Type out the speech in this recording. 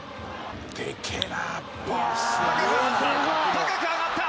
高く上がった。